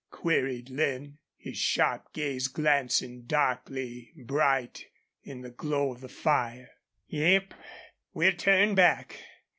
queried Lin, his sharp gaze glancing darkly bright in the glow of the fire. "Yep, we'll turn back.